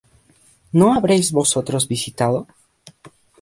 ¿No habréis vosotros visitado?